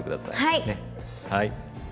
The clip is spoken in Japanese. はい。